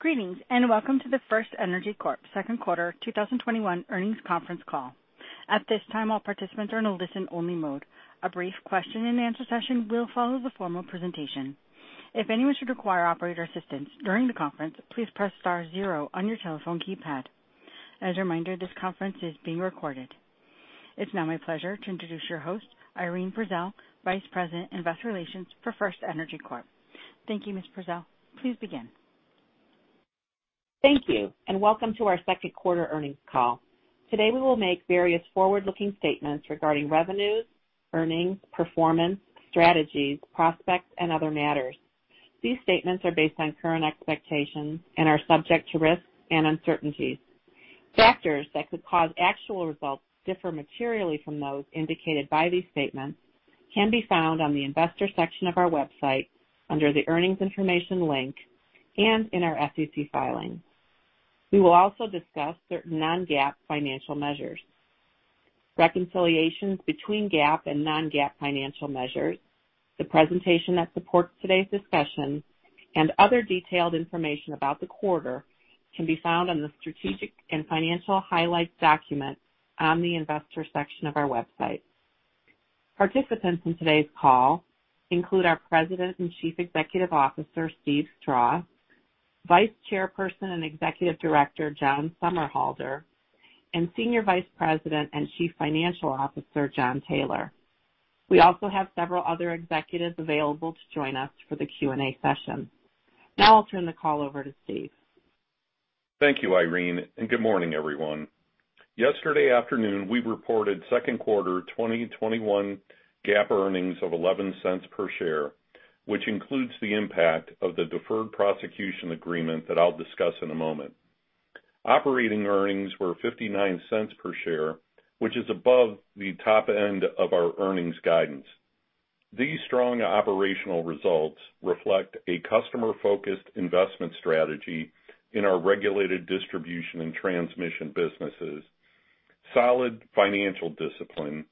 Greetings, and welcome to the FirstEnergy Corp Second Quarter 2021 Earnings Conference Call. At this time, all participants are in a listen-only mode. A brief question and answer session will follow the formal presentation. If anyone should require operator assistance during the conference, please press star zero on your telephone keypad. As a reminder, this conference is being recorded. It's now my pleasure to introduce your host, Irene Prezelj, Vice President, Investor Relations for FirstEnergy Corp. Thank you, Ms. Prezelj. Please begin. Thank you. Welcome to our second quarter earnings call. Today we will make various forward-looking statements regarding revenues, earnings, performance, strategies, prospects, and other matters. These statements are based on current expectations and are subject to risks and uncertainties. Factors that could cause actual results to differ materially from those indicated by these statements can be found on the investor section of our website under the Earnings Information link and in our SEC filings. We will also discuss certain non-GAAP financial measures. Reconciliations between GAAP and non-GAAP financial measures, the presentation that supports today's discussion, and other detailed information about the quarter can be found on the Strategic and Financial Highlights document on the investor section of our website. Participants in today's call include our President and Chief Executive Officer, Steven Strah, Vice Chairperson and Executive Director, John Somerhalder, and Senior Vice President and Chief Financial Officer, Jon Taylor. We also have several other executives available to join us for the Q&A session. Now I'll turn the call over to Steve. Thank you, Irene. Good morning, everyone. Yesterday afternoon, we reported second quarter 2021 GAAP earnings of $0.11 per share, which includes the impact of the deferred prosecution agreement that I'll discuss in a moment. Operating earnings were $0.59 per share, which is above the top end of our earnings guidance. These strong operational results reflect a customer-focused investment strategy in our regulated distribution and transmission businesses, solid financial discipline,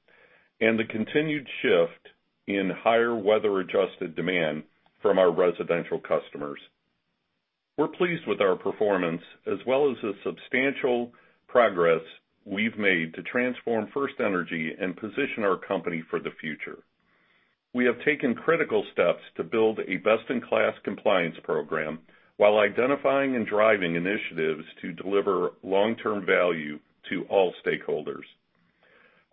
and the continued shift in higher weather-adjusted demand from our residential customers. We're pleased with our performance, as well as the substantial progress we've made to transform FirstEnergy and position our company for the future. We have taken critical steps to build a best-in-class compliance program while identifying and driving initiatives to deliver long-term value to all stakeholders.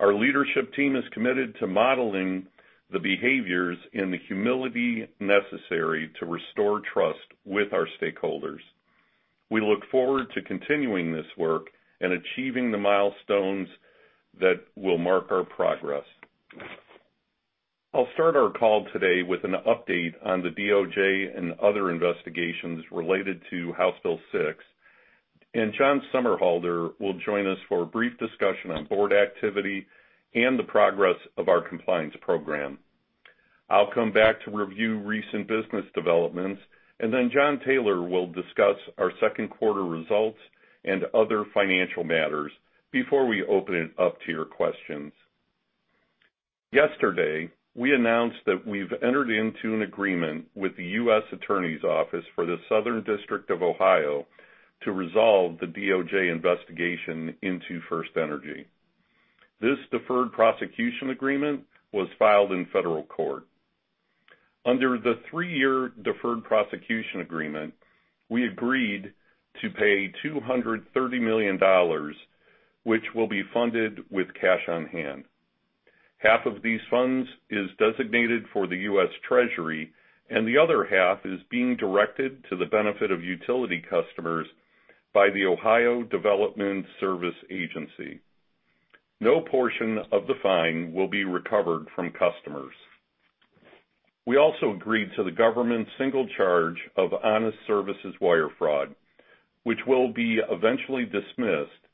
Our leadership team is committed to modeling the behaviors and the humility necessary to restore trust with our stakeholders. We look forward to continuing this work and achieving the milestones that will mark our progress. I'll start our call today with an update on the DOJ and other investigations related to House Bill 6. John Somerhalder will join us for a brief discussion on board activity and the progress of our compliance program. I'll come back to review recent business developments. Jon Taylor will discuss our second quarter results and other financial matters before we open it up to your questions. Yesterday, we announced that we've entered into an agreement with the U.S. Attorney's Office for the Southern District of Ohio to resolve the DOJ investigation into FirstEnergy. This deferred prosecution agreement was filed in federal court. Under the 3-year deferred prosecution agreement, we agreed to pay $230 million, which will be funded with cash on hand. Half of these funds is designated for the U.S. Treasury, and the other half is being directed to the benefit of utility customers by the Ohio Development Services Agency. No portion of the fine will be recovered from customers. We also agreed to the government's single charge of honest services wire fraud, which will be eventually dismissed,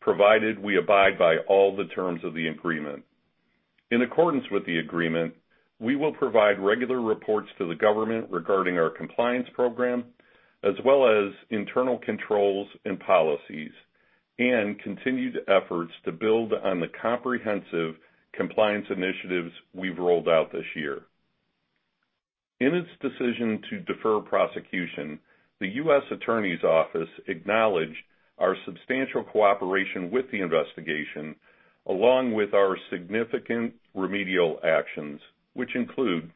provided we abide by all the terms of the agreement. In accordance with the agreement, we will provide regular reports to the government regarding our compliance program, as well as internal controls and policies and continued efforts to build on the comprehensive compliance initiatives we've rolled out this year. In its decision to defer prosecution, the U.S. Attorney's Office acknowledged our substantial cooperation with the investigation, along with our significant remedial actions, which include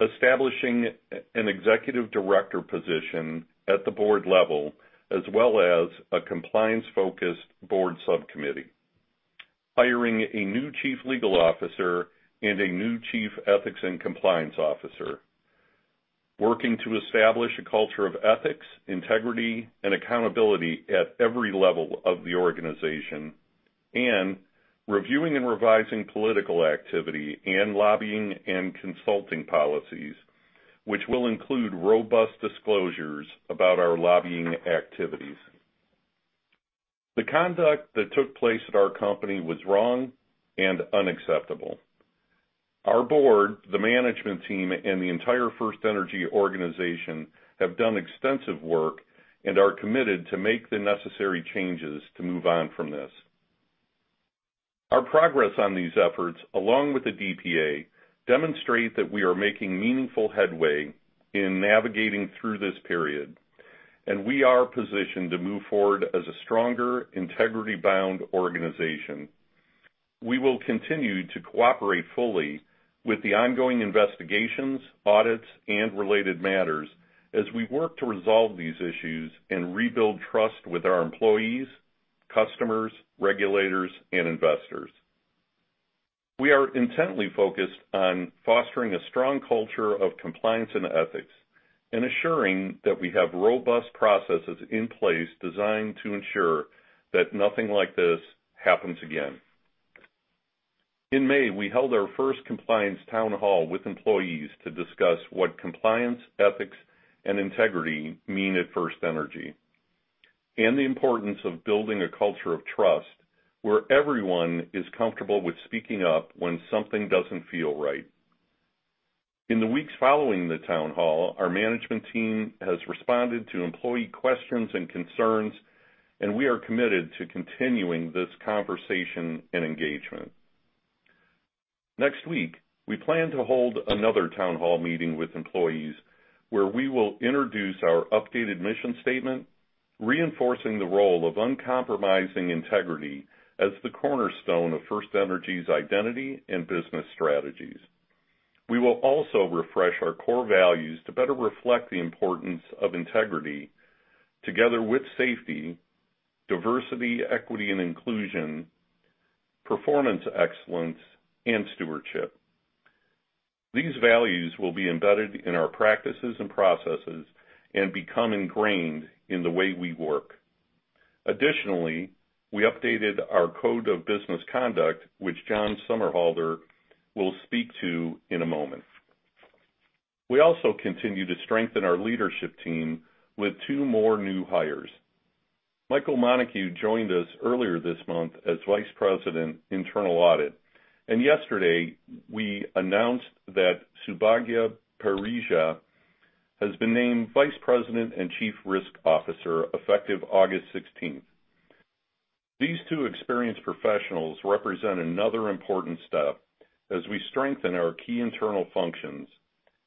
establishing an Executive Director position at the board level, as well as a compliance-focused board subcommittee, hiring a new Chief Legal Officer and a new Chief Ethics and Compliance Officer, working to establish a culture of ethics, integrity, and accountability at every level of the organization, and reviewing and revising political activity and lobbying and consulting policies, which will include robust disclosures about our lobbying activities. The conduct that took place at our company was wrong and unacceptable. Our board, the management team, and the entire FirstEnergy organization have done extensive work and are committed to make the necessary changes to move on from this. Our progress on these efforts, along with the DPA, demonstrate that we are making meaningful headway in navigating through this period, and we are positioned to move forward as a stronger, integrity-bound organization. We will continue to cooperate fully with the ongoing investigations, audits, and related matters as we work to resolve these issues and rebuild trust with our employees, customers, regulators, and investors. We are intently focused on fostering a strong culture of compliance and ethics and assuring that we have robust processes in place designed to ensure that nothing like this happens again. In May, we held our first compliance town hall with employees to discuss what compliance, ethics, and integrity mean at FirstEnergy, and the importance of building a culture of trust, where everyone is comfortable with speaking up when something doesn't feel right. In the weeks following the town hall, our management team has responded to employee questions and concerns, and we are committed to continuing this conversation and engagement. Next week, we plan to hold another town hall meeting with employees, where we will introduce our updated mission statement, reinforcing the role of uncompromising integrity as the cornerstone of FirstEnergy's identity and business strategies. We will also refresh our core values to better reflect the importance of integrity together with safety, diversity, equity, and inclusion, performance excellence, and stewardship. These values will be embedded in our practices and processes and become ingrained in the way we work. Additionally, we updated our code of business conduct, which John Somerhalder will speak to in a moment. We also continue to strengthen our leadership team with two more new hires. Michael Dowling joined us earlier this month as Vice President, Internal Audit, and yesterday, we announced that Soubhagya Parija has been named Vice President and Chief Risk Officer effective August 16th. These two experienced professionals represent another important step as we strengthen our key internal functions,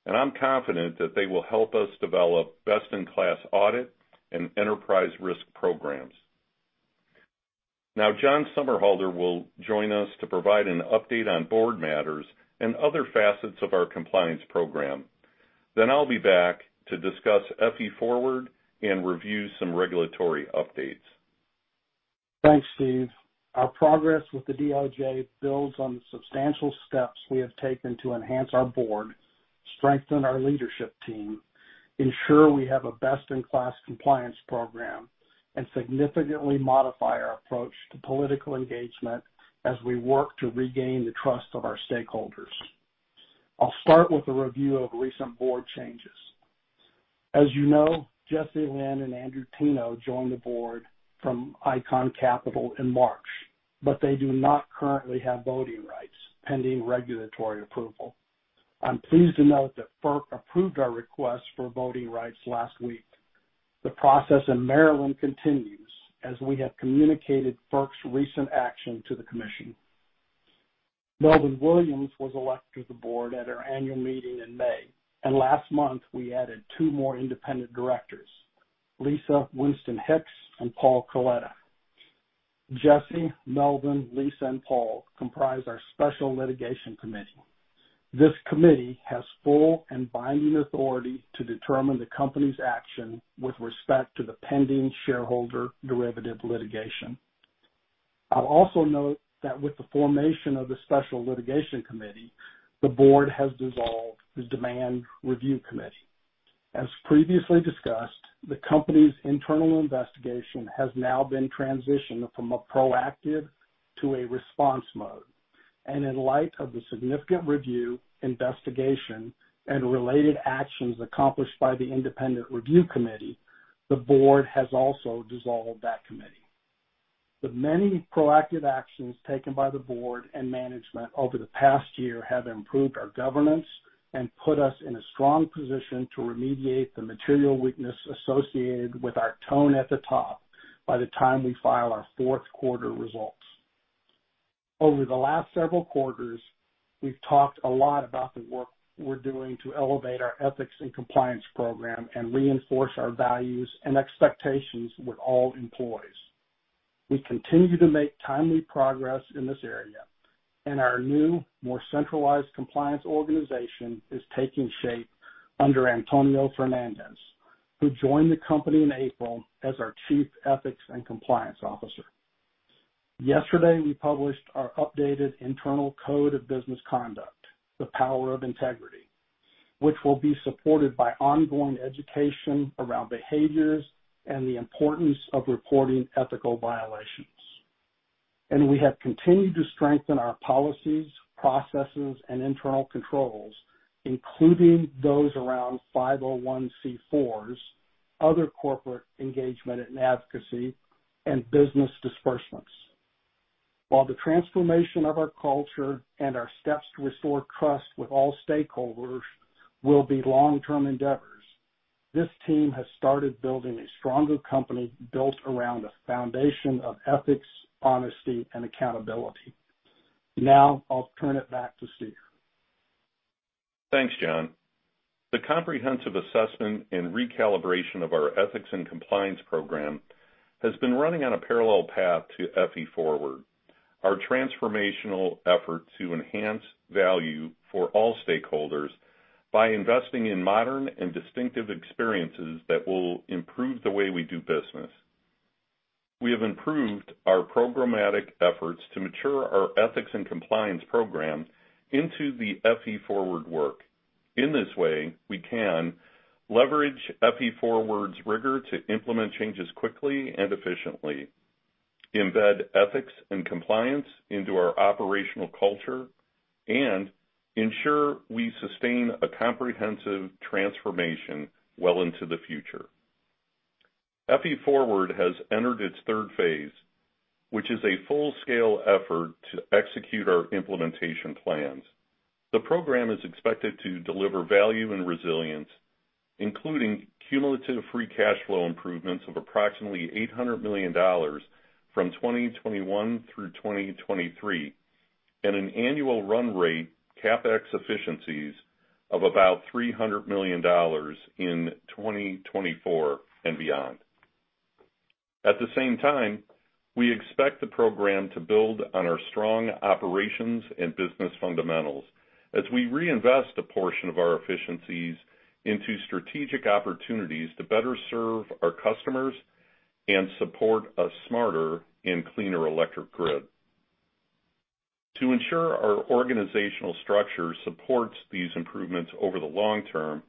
and I'm confident that they will help us develop best-in-class audit and enterprise risk programs. Now, John Somerhalder will join us to provide an update on board matters and other facets of our compliance program. I'll be back to discuss FE Forward and review some regulatory updates. Thanks, Steve. Our progress with the DOJ builds on the substantial steps we have taken to enhance our board, strengthen our leadership team, ensure we have a best-in-class compliance program, and significantly modify our approach to political engagement as we work to regain the trust of our stakeholders. I'll start with a review of recent board changes. As you know, Jesse Lynn and Andrew Teno joined the board from Icahn Capital in March, but they do not currently have voting rights, pending regulatory approval. I'm pleased to note that FERC approved our request for voting rights last week. The process in Maryland continues as we have communicated FERC's recent action to the commission. Melvin Williams was elected to the board at our annual meeting in May. Last month, we added two more independent directors, Lisa Winston Hicks and Paul Kaleta. Jesse, Melvin, Lisa, and Paul comprise our special litigation committee. This committee has full and binding authority to determine the company's action with respect to the pending shareholder derivative litigation. I'd also note that with the formation of the special litigation committee, the board has dissolved the demand review committee. As previously discussed, the company's internal investigation has now been transitioned from a proactive to a response mode. In light of the significant review, investigation, and related actions accomplished by the independent review committee, the board has also dissolved that committee. The many proactive actions taken by the board and management over the past year have improved our governance and put us in a strong position to remediate the material weakness associated with our tone at the top by the time we file our fourth quarter results. Over the last several quarters, we've talked a lot about the work we're doing to elevate our ethics and compliance program and reinforce our values and expectations with all employees. We continue to make timely progress in this area. Our new, more centralized compliance organization is taking shape under Antonio Fernández, who joined the company in April as our Chief Ethics and Compliance Officer. Yesterday, we published our updated internal code of business conduct, The Power of Integrity, which will be supported by ongoing education around behaviors and the importance of reporting ethical violations. We have continued to strengthen our policies, processes, and internal controls, including those around 501(c)(4)s, other corporate engagement and advocacy, and business disbursements. While the transformation of our culture and our steps to restore trust with all stakeholders will be long-term endeavors. This team has started building a stronger company built around a foundation of ethics, honesty, and accountability. Now, I'll turn it back to Steve. Thanks, John. The comprehensive assessment and recalibration of our ethics and compliance program have been running on a parallel path to FE Forward, our transformational effort to enhance value for all stakeholders by investing in modern and distinctive experiences that will improve the way we do business. We have improved our programmatic efforts to mature our ethics and compliance program into the FE Forward work. In this way, we can leverage FE Forward's rigor to implement changes quickly and efficiently, embed ethics and compliance into our operational culture, and ensure we sustain a comprehensive transformation well into the future. FE Forward has entered its third phase, which is a full-scale effort to execute our implementation plans. The program is expected to deliver value and resilience, including cumulative free cash flow improvements of approximately $800 million from 2021 through 2023, and an annual run rate CapEx efficiencies of about $300 million in 2024 and beyond. At the same time, we expect the program to build on our strong operations and business fundamentals as we reinvest a portion of our efficiencies into strategic opportunities to better serve our customers and support a smarter and cleaner electric grid. To ensure our organizational structure supports these improvements over the long term,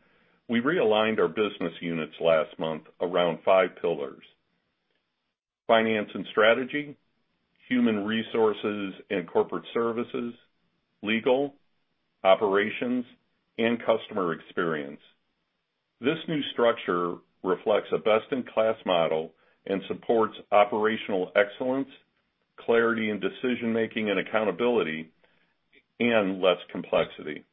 we realigned our business units last month around five pillars: finance and strategy, human resources and corporate services, legal, operations, and customer experience. This new structure reflects a best-in-class model and supports operational excellence, clarity in decision-making and accountability, and less complexity.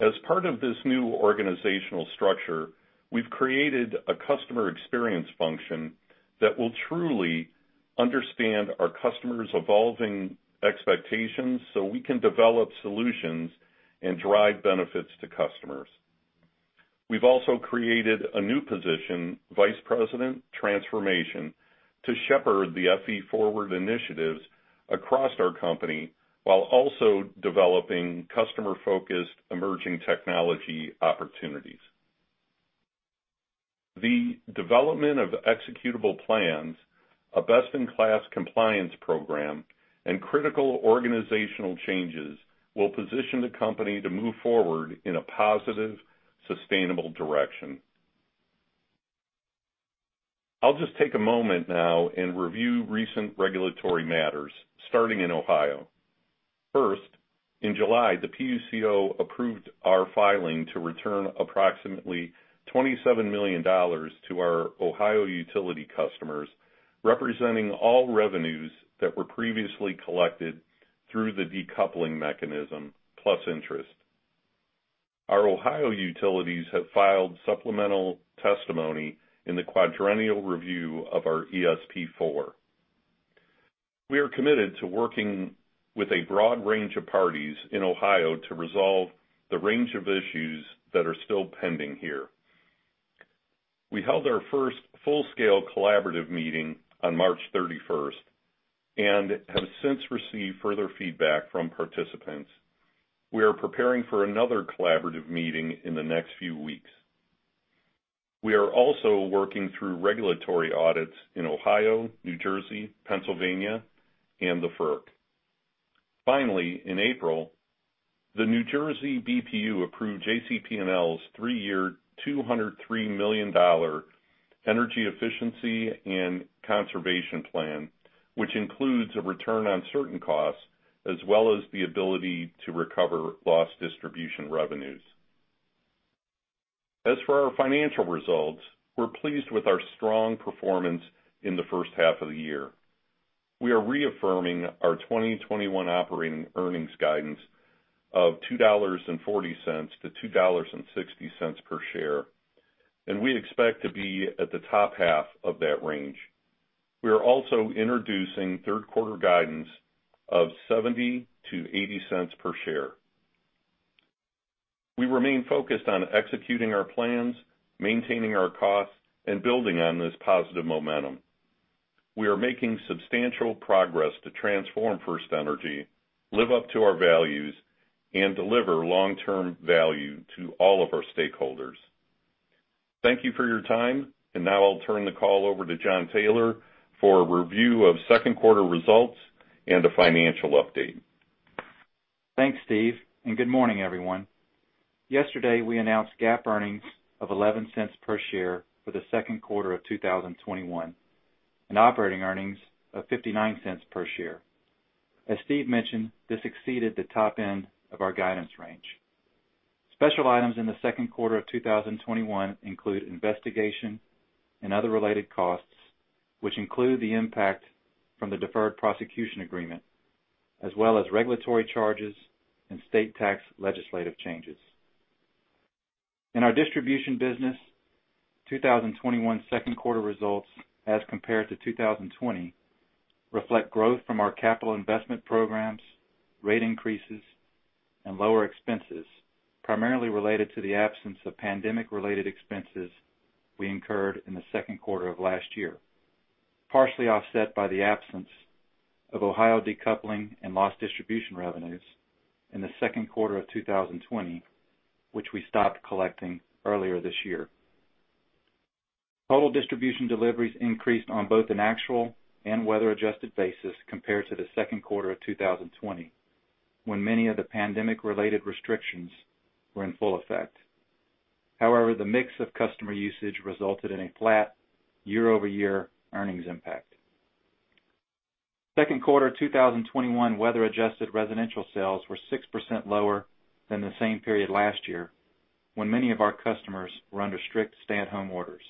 As part of this new organizational structure, we've created a customer experience function that will truly understand our customers' evolving expectations so we can develop solutions and drive benefits to customers. We've also created a new position, Vice President, Transformation, to shepherd the FE Forward initiatives across our company, while also developing customer-focused emerging technology opportunities. The development of executable plans, a best-in-class compliance program, and critical organizational changes will position the company to move forward in a positive, sustainable direction. I'll just take a moment now and review recent regulatory matters, starting in Ohio. First, in July, the PUCO approved our filing to return approximately $27 million to our Ohio utility customers, representing all revenues that were previously collected through the decoupling mechanism, plus interest. Our Ohio utilities have filed supplemental testimony in the quadrennial review of our ESP4. We are committed to working with a broad range of parties in Ohio to resolve the range of issues that are still pending here. We held our first full-scale collaborative meeting on March 31st and have since received further feedback from participants. We are preparing for another collaborative meeting in the next few weeks. We are also working through regulatory audits in Ohio, New Jersey, Pennsylvania, and the FERC. Finally, in April, the New Jersey BPU approved JCP&L's 3-year, $203 million Energy Efficiency and Conservation Plan, which includes a return on certain costs, as well as the ability to recover lost distribution revenues. As for our financial results, we're pleased with our strong performance in the first half of the year. We are reaffirming our 2021 operating earnings guidance of $2.40-$2.60 per share, and we expect to be at the top half of that range. We are also introducing third-quarter guidance of $0.70-$0.80 per share. We remain focused on executing our plans, maintaining our costs, and building on this positive momentum. We are making substantial progress to transform FirstEnergy, live up to our values, and deliver long-term value to all of our stakeholders. Thank you for your time, now I'll turn the call over to Jon Taylor for a review of second quarter results and a financial update. Thanks, Steve. Good morning, everyone. Yesterday, we announced GAAP earnings of $0.11 per share for the second quarter of 2021 and operating earnings of $0.59 per share. As Steve mentioned, this exceeded the top end of our guidance range. Special items in the second quarter of 2021 include investigation and other related costs, which include the impact from the deferred prosecution agreement as well as regulatory charges and state tax legislative changes. In our distribution business, 2021 second quarter results as compared to 2020 reflect growth from our capital investment programs, rate increases, and lower expenses, primarily related to the absence of pandemic-related expenses we incurred in the second quarter of last year, partially offset by the absence of Ohio decoupling and lost distribution revenues in the second quarter of 2020, which we stopped collecting earlier this year. Total distribution deliveries increased on both an actual and weather-adjusted basis compared to the second quarter of 2020, when many of the pandemic-related restrictions were in full effect. However, the mix of customer usage resulted in a flat year-over-year earnings impact. Second quarter 2021 weather-adjusted residential sales were 6% lower than the same period last year, when many of our customers were under strict stay-at-home orders.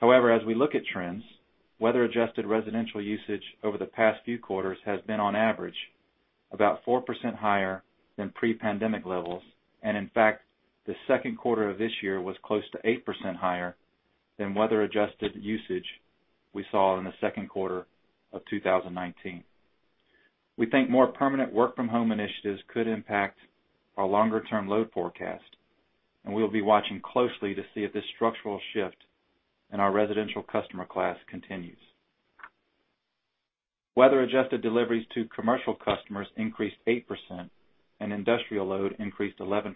However, as we look at trends, weather-adjusted residential usage over the past few quarters has been on average about 4% higher than pre-pandemic levels. In fact, the second quarter of this year was close to 8% higher than weather-adjusted usage we saw in the second quarter of 2019. We think more permanent work-from-home initiatives could impact our longer-term load forecast, and we will be watching closely to see if this structural shift in our residential customer class continues. Weather-adjusted deliveries to commercial customers increased 8%, and industrial load increased 11%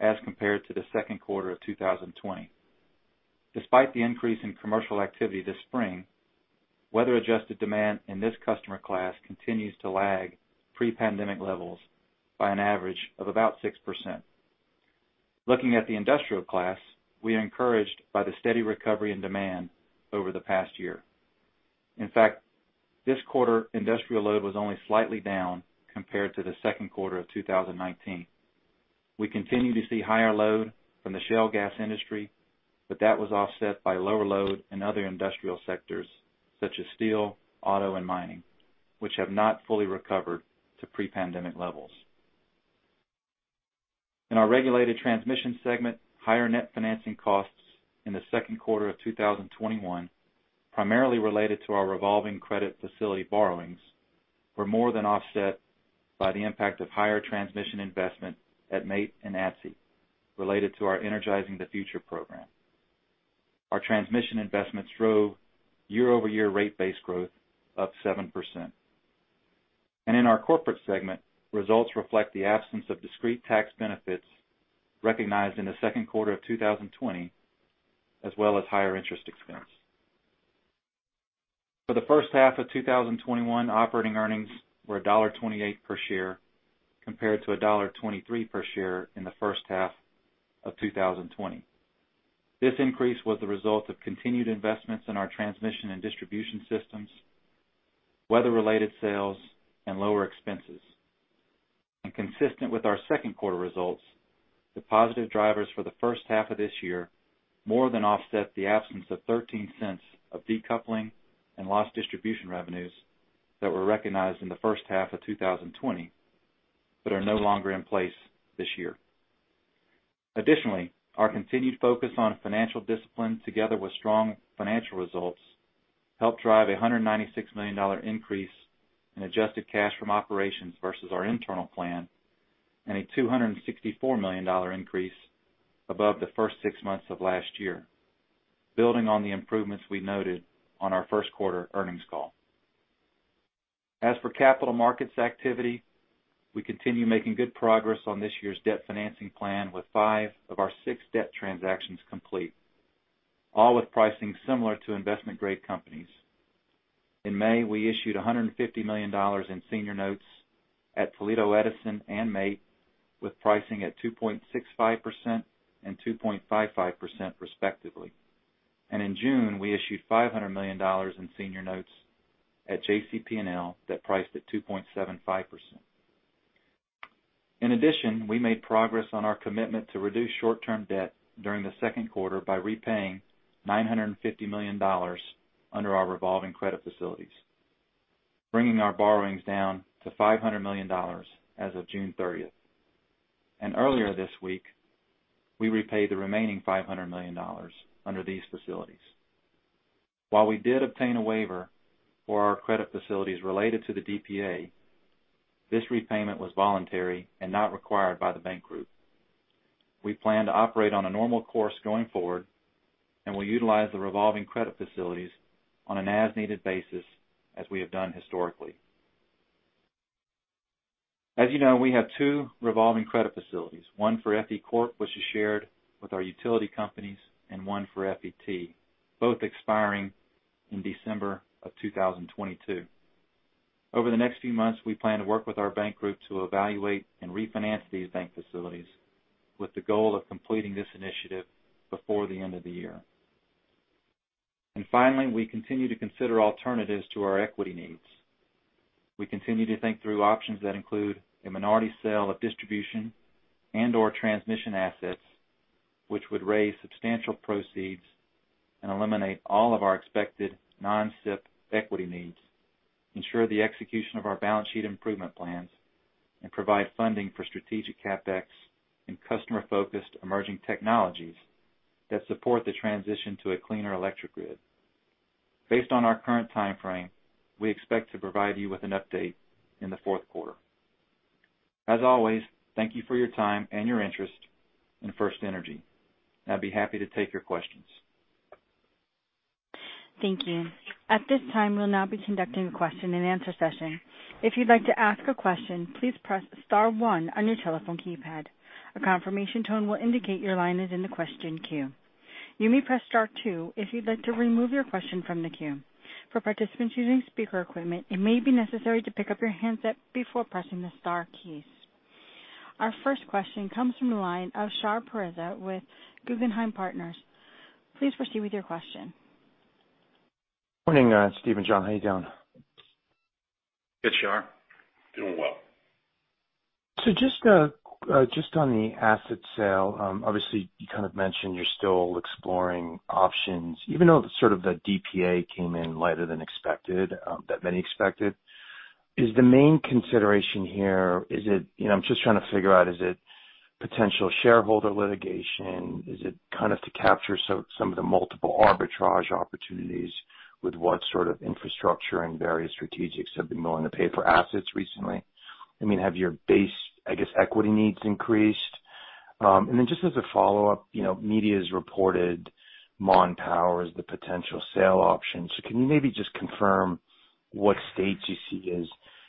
as compared to the second quarter of 2020. Despite the increase in commercial activity this spring, weather-adjusted demand in this customer class continues to lag pre-pandemic levels by an average of about 6%. Looking at the industrial class, we are encouraged by the steady recovery and demand over the past year. In fact, this quarter, industrial load was only slightly down compared to the second quarter of 2019. We continue to see higher load from the shale gas industry, but that was offset by lower load in other industrial sectors such as steel, auto, and mining, which have not fully recovered to pre-pandemic levels. In our regulated transmission segment, higher net financing costs in the second quarter of 2021, primarily related to our revolving credit facility borrowings, were more than offset by the impact of higher transmission investment at MAIT and ATSI related to our Energizing the Future program. Our transmission investments drove year-over-year rate base growth up 7%. In our corporate segment, results reflect the absence of discrete tax benefits recognized in the second quarter of 2020, as well as higher interest expense. For the first half of 2021, operating earnings were $1.28 per share, compared to $1.23 per share in the first half of 2020. This increase was the result of continued investments in our transmission and distribution systems, weather-related sales, and lower expenses. Consistent with our second quarter results, the positive drivers for the first half of this year more than offset the absence of $0.13 of decoupling and lost distribution revenues that were recognized in the first half of 2020 but are no longer in place this year. Additionally, our continued focus on financial discipline together with strong financial results helped drive a $196 million increase in adjusted cash from operations versus our internal plan, and a $264 million increase above the first 6 months of last year, building on the improvements we noted on our first quarter earnings call. As for capital markets activity, we continue making good progress on this year's debt financing plan with 5 of our 6 debt transactions complete, all with pricing similar to investment-grade companies. In May, we issued $150 million in senior notes at Toledo Edison and MAIT, with pricing at 2.65% and 2.55% respectively. In June, we issued $500 million in senior notes at JCP&L that priced at 2.75%. In addition, we made progress on our commitment to reduce short-term debt during the second quarter by repaying $950 million under our revolving credit facilities, bringing our borrowings down to $500 million as of June 30th. Earlier this week, we repaid the remaining $500 million under these facilities. While we did obtain a waiver for our credit facilities related to the DPA, this repayment was voluntary and not required by the bank group. We plan to operate on a normal course going forward and will utilize the revolving credit facilities on an as-needed basis as we have done historically. As you know, we have 2 revolving credit facilities, one for FE Corp, which is shared with our utility companies, and one for FET, both expiring in December of 2022. Over the next few months, we plan to work with our bank group to evaluate and refinance these bank facilities with the goal of completing this initiative before the end of the year. Finally, we continue to consider alternatives to our equity needs. We continue to think through options that include a minority sale of distribution and/or transmission assets, which would raise substantial proceeds and eliminate all of our expected non-SIP equity needs, ensure the execution of our balance sheet improvement plans, and provide funding for strategic CapEx and customer-focused emerging technologies that support the transition to a cleaner electric grid. Based on our current timeframe, we expect to provide you with an update in the fourth quarter. As always, thank you for your time and your interest in FirstEnergy. I'd be happy to take your questions. Thank you. At this time, we'll now be conducting a question-and-answer session. If you'd like to ask a question, please press star one on your telephone keypad. A confirmation tone will indicate your line is in the question queue. You may press star two if you'd like to remove your question from the queue. For participants using speaker equipment, it may be necessary to pick up your handset before pressing the star key. Our first question comes from the line of Shah Pourreza with Guggenheim Partners. Please proceed with your question. Morning, Steve and Jon. How you doing? Good, Shah. Doing well. Just on the asset sale, obviously you kind of mentioned you're still exploring options, even though sort of the DPA came in lighter than many expected. Is the main consideration here, I'm just trying to figure out, is it potential shareholder litigation? Is it kind of to capture some of the multiple arbitrage opportunities with what sort of infrastructure and various strategics have been willing to pay for assets recently? Have your base, I guess, equity needs increased? Then just as a follow-up, media's reported Mon Power as the potential sale option. Can you maybe just confirm what states you see as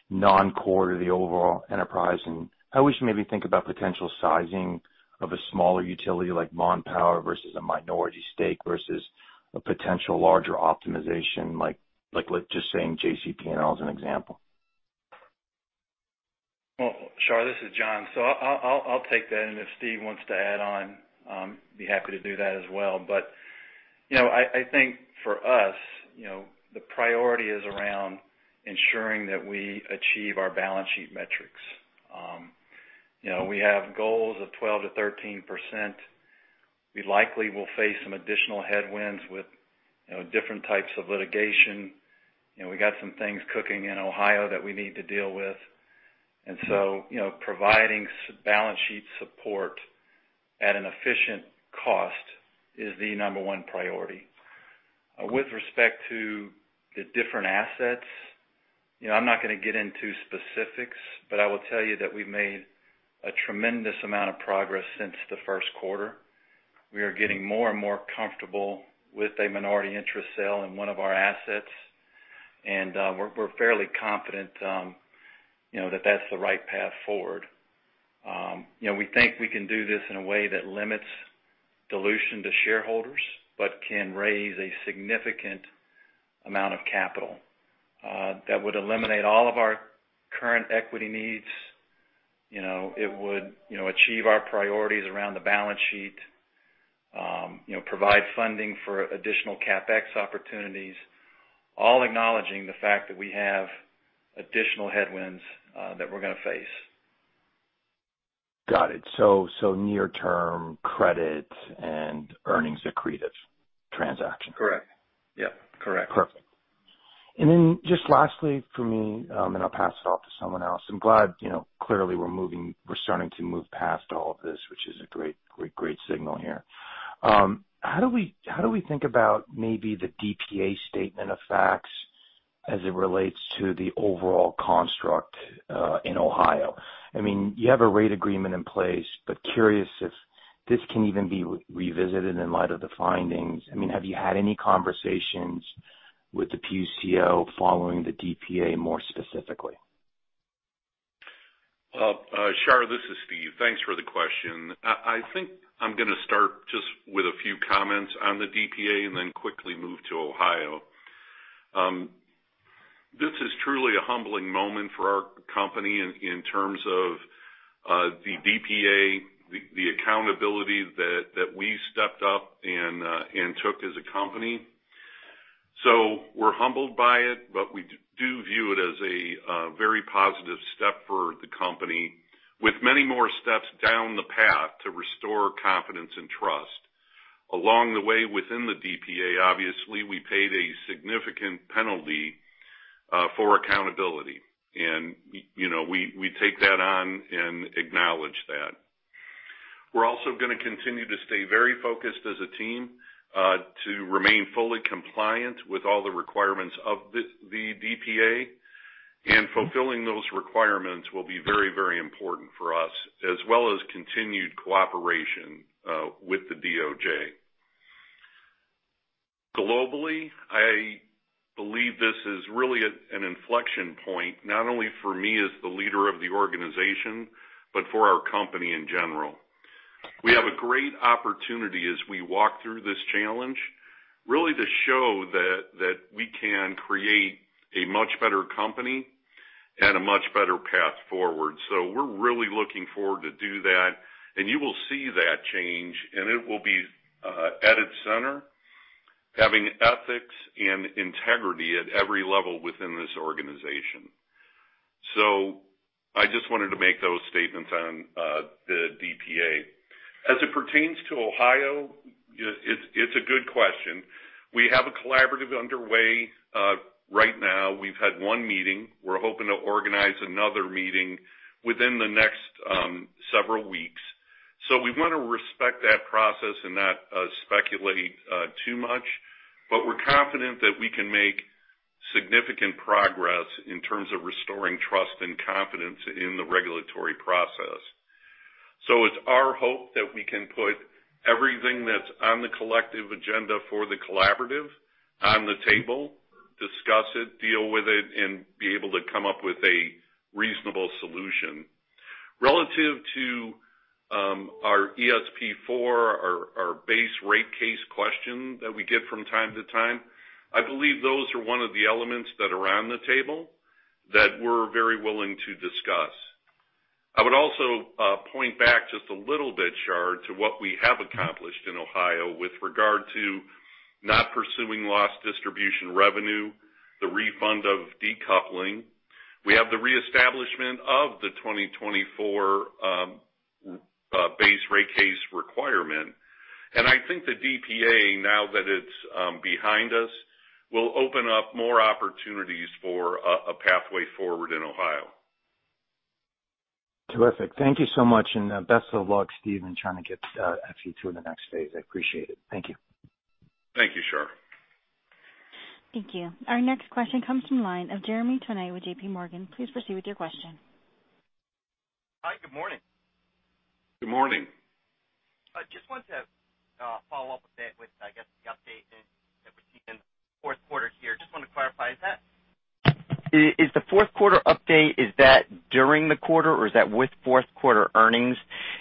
non-core to the overall enterprise? And how would you maybe think about potential sizing of a smaller utility like Mon Power versus a minority stake versus a potential larger optimization like, just saying, JCP&L as an example? Shah, this is Jon. I'll take that, and if Steven wants to add on, be happy to do that as well. I think for us, the priority is around ensuring that we achieve our balance sheet metrics. We have goals of 12%-13%. We likely will face some additional headwinds with different types of litigation. We got some things cooking in Ohio that we need to deal with. Providing balance sheet support at an efficient cost is the number one priority. With respect to the different assets, I'm not going to get into specifics, I will tell you that we've made a tremendous amount of progress since the first quarter. We are getting more and more comfortable with a minority interest sale in one of our assets, and we're fairly confident that that's the right path forward. We think we can do this in a way that limits dilution to shareholders but can raise a significant amount of capital that would eliminate all of our current equity needs. It would achieve our priorities around the balance sheet, provide funding for additional CapEx opportunities, all acknowledging the fact that we have additional headwinds that we're going to face. Got it. Near term credit and earnings accretive transaction? Correct. Yep. Correct. Perfect. Just lastly from me, and then I'll pass it off to someone else. I'm glad, clearly we're starting to move past all of this, which is a great signal here. How do we think about maybe the DPA statement of facts as it relates to the overall construct in Ohio? You have a rate agreement in place, curious if this can even be revisited in light of the findings. Have you had any conversations with the PUCO following the DPA, more specifically? Shah, this is Steve. Thanks for the question. I think I'm going to start just with a few comments on the DPA and then quickly move to Ohio. This is truly a humbling moment for our company in terms of the DPA, the accountability that we stepped up and took as a company. We're humbled by it, but we do view it as a very positive step for the company with many more steps down the path to restore confidence and trust. Along the way within the DPA, obviously, we paid a significant penalty for accountability. We take that on and acknowledge that. We're also going to continue to stay very focused as a team to remain fully compliant with all the requirements of the DPA. Fulfilling those requirements will be very important for us, as well as continued cooperation with the DOJ. Globally, I believe this is really an inflection point, not only for me as the leader of the organization, but for our company in general. We have a great opportunity as we walk through this challenge, really to show that we can create a much better company and a much better path forward. We're really looking forward to do that, and you will see that change, and it will be at its center, having ethics and integrity at every level within this organization. I just wanted to make those statements on the DPA. As it pertains to Ohio, it's a good question. We have a collaborative underway right now. We've had one meeting. We're hoping to organize another meeting within the next several weeks. We want to respect that process and not speculate too much. We're confident that we can make significant progress in terms of restoring trust and confidence in the regulatory process. It's our hope that we can put everything that's on the collective agenda for the collaborative on the table, discuss it, deal with it, and be able to come up with a reasonable solution. Relative to our ESP4, our base rate case question that we get from time to time, I believe those are one of the elements that are on the table that we're very willing to discuss. I would also point back just a little bit, Shah, to what we have accomplished in Ohio with regard to not pursuing lost distribution revenue, the refund of decoupling. We have the reestablishment of the 2024 base rate case requirement. I think the DPA, now that it's behind us, will open up more opportunities for a pathway forward in Ohio. Terrific. Thank you so much. Best of luck, Steve, in trying to get FE in the next phase. I appreciate it. Thank you. Thank you, Shah. Thank you. Our next question comes from the line of Jeremy Tonet with JPMorgan. Please proceed with your question. Hi, good morning. Good morning. Just wanted to follow up a bit with, I guess, the update that we're seeing in the fourth quarter here. Just wanted to clarify, is the fourth quarter update, is that during the quarter or is that with fourth quarter earnings?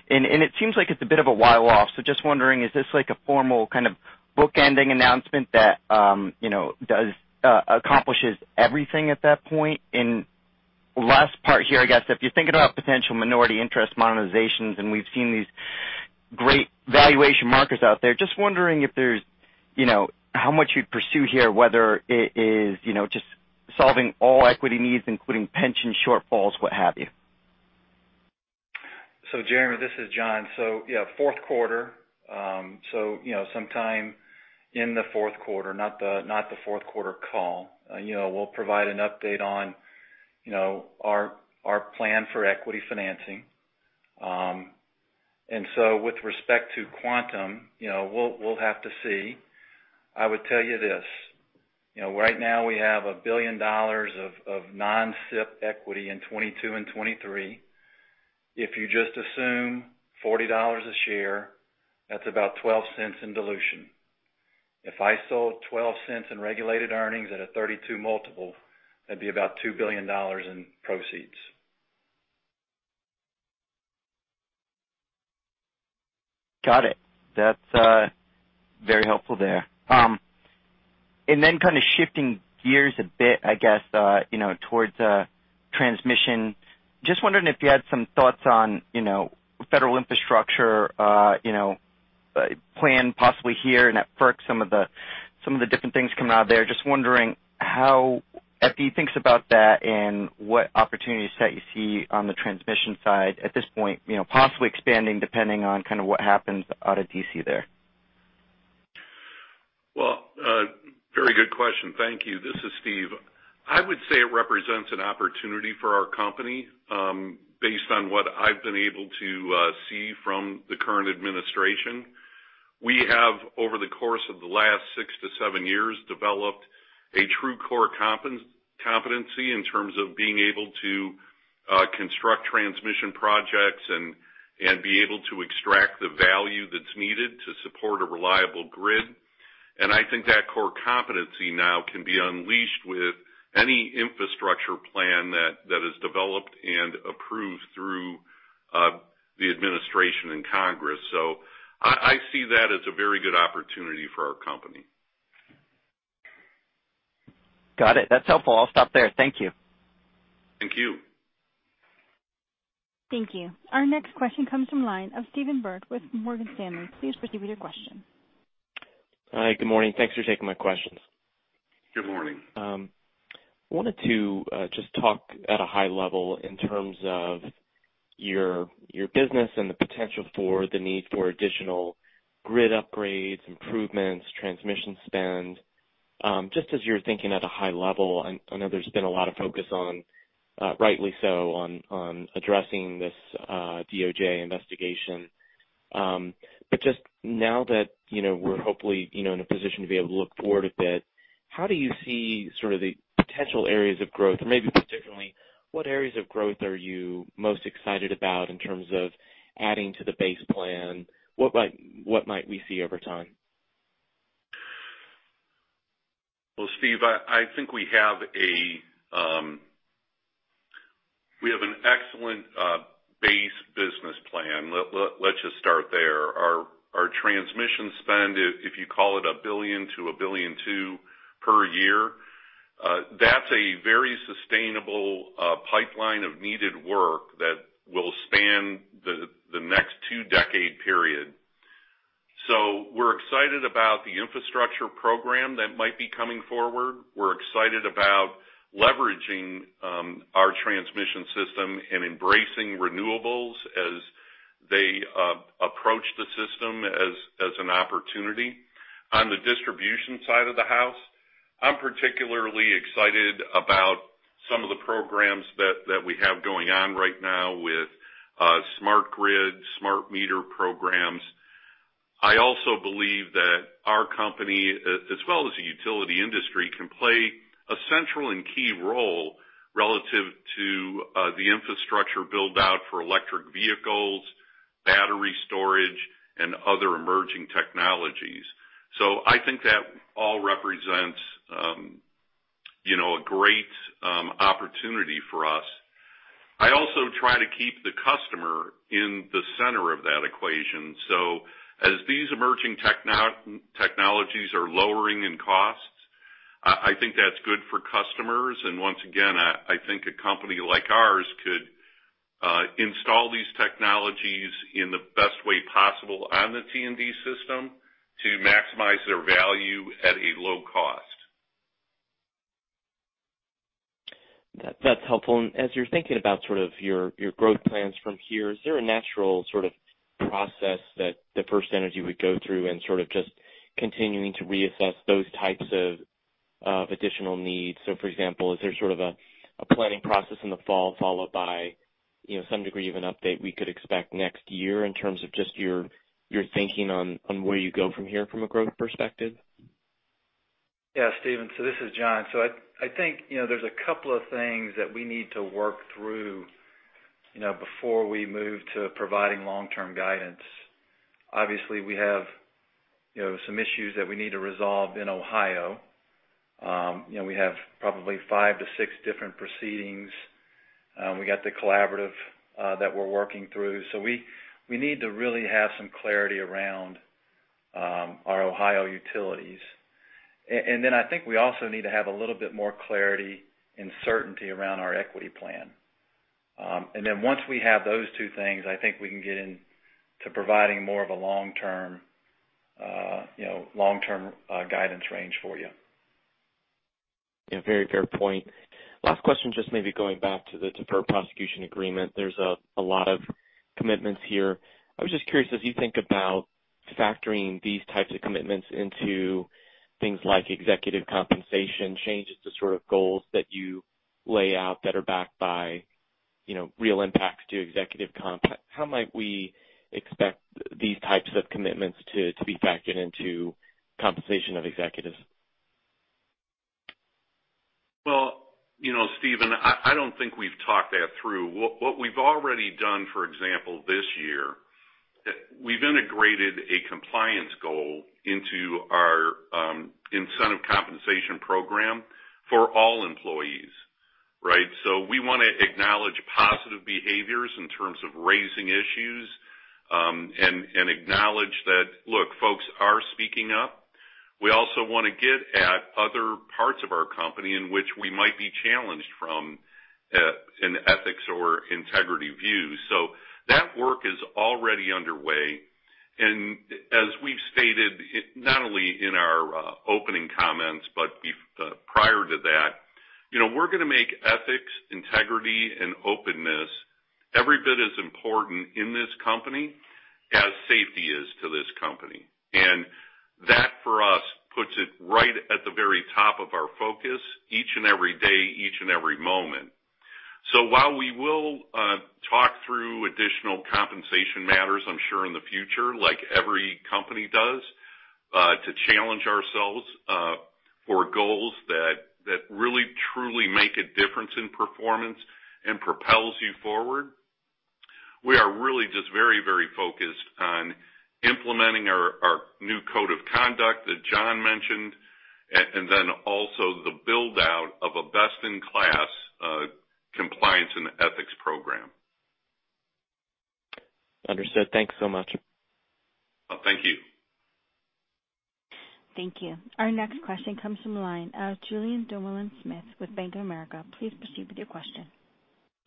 It seems like it's a bit of a while off, just wondering, is this like a formal kind of bookending announcement that accomplishes everything at that point? Last part here, I guess if you're thinking about potential minority interest monetizations, we've seen these great valuation markers out there, just wondering how much you'd pursue here, whether it is just solving all equity needs, including pension shortfalls, what have you. Jeremy, this is Jon. Yeah, fourth quarter. Sometime in the fourth quarter, not the fourth quarter call. We'll provide an update on our plan for equity financing. With respect to quantum, we'll have to see. I would tell you this. Right now we have $1 billion of non-SIP equity in 2022 and 2023. If you just assume $40 a share, that's about $0.12 in dilution. If I sold $0.12 in regulated earnings at a 32x, that'd be about $2 billion in proceeds. Got it. That's very helpful there. Then kind of shifting gears a bit, I guess, towards transmission. Just wondering if you had some thoughts on federal infrastructure plan possibly here and at FERC, some of the different things coming out of there. Just wondering how FE thinks about that and what opportunities that you see on the transmission side at this point, possibly expanding depending on what happens out of D.C. there. Very good question. Thank you. This is Steven. I would say it represents an opportunity for our company, based on what I've been able to see from the current administration. We have, over the course of the last 6 to 7 years, developed a true core competency in terms of being able to construct transmission projects and be able to extract the value that's needed to support a reliable grid. I think that core competency now can be unleashed with any infrastructure plan that is developed and approved through the administration and Congress. I see that as a very good opportunity for our company. Got it. That's helpful. I'll stop there. Thank you. Thank you. Thank you. Our next question comes from line of Stephen Byrd with Morgan Stanley. Please proceed with your question. Hi, good morning. Thanks for taking my questions. Good morning. Wanted to just talk at a high level in terms of your business and the potential for the need for additional grid upgrades, improvements, transmission spend. Just as you're thinking at a high level, I know there's been a lot of focus on, rightly so, on addressing this DOJ investigation. Just now that we're hopefully in a position to be able to look forward a bit, how do you see sort of the potential areas of growth? Maybe particularly, what areas of growth are you most excited about in terms of adding to the base plan? What might we see over time? Well, Stephen, I think we have an excellent base business plan. Let's just start there. Our transmission spend, if you call it $1 billion to $1.2 billion per year, that's a very sustainable pipeline of needed work that will span the next 2-decade period. We're excited about the infrastructure program that might be coming forward. We're excited about leveraging our transmission system and embracing renewables as they approach the system as an opportunity. On the distribution side of the house, I'm particularly excited about some of the programs that we have going on right now with smart grid, smart meter programs. I also believe that our company, as well as the utility industry, can play a central and key role relative to the infrastructure build-out for electric vehicles, battery storage, and other emerging technologies. I think that all represents a great opportunity for us. I also try to keep the customer in the center of that equation. As these emerging technologies are lowering in costs, I think that's good for customers. Once again, I think a company like ours could install these technologies in the best way possible on the T&D system to maximize their value at a low cost. That's helpful. As you're thinking about your growth plans from here, is there a natural process that FirstEnergy would go through in just continuing to reassess those types of additional needs? For example, is there a planning process in the fall followed by some degree of an update we could expect next year in terms of just your thinking on where you go from here from a growth perspective? Steven, this is Jon. I think there are a couple of things that we need to work through before we move to providing long-term guidance. Obviously, we have some issues that we need to resolve in Ohio. We have probably 5 to 6 different proceedings. We got the collaborative that we're working through. We need to really have some clarity around our Ohio utilities. I think we also need to have a little bit more clarity and certainty around our equity plan. Once we have those two things, I think we can get in to providing more of a long-term guidance range for you. Yeah, very fair point. Last question, just maybe going back to the deferred prosecution agreement. There is a lot of commitments here. I was just curious, as you think about factoring these types of commitments into things like executive compensation changes to goals that you lay out that are backed by real impacts to executive comp, how might we expect these types of commitments to be factored into compensation of executives? Well, Stephen, I don't think we've talked that through. What we've already done, for example, this year, we've integrated a compliance goal into our incentive compensation program for all employees, right? We want to acknowledge positive behaviors in terms of raising issues and acknowledge that, look, folks are speaking up. We also want to get at other parts of our company in which we might be challenged from an ethics or integrity view. That work is already underway. As we've stated, not only in our opening comments but prior to that, we're going to make ethics, integrity, and openness every bit as important in this company as safety is to this company. That, for us, puts it right at the very top of our focus each and every day, each and every moment. While we will talk through additional compensation matters, I'm sure in the future, like every company does, to challenge ourselves for goals that really truly make a difference in performance and propels you forward, we are really just very focused on implementing our new code of conduct that John mentioned, and then also the build-out of a best-in-class compliance and ethics program. Understood. Thanks so much. Thank you. Thank you. Our next question comes from the line, Julien Dumoulin-Smith with Bank of America. Please proceed with your question.